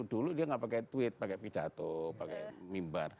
dulu dia nggak pakai tweet pakai pidato pakai mimbar